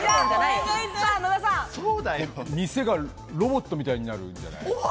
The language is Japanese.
店がロボットみたいになるんじゃない？